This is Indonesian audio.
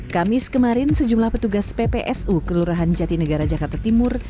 kamis kemarin sejumlah petugas ppsu kelurahan jatinegara jakarta timur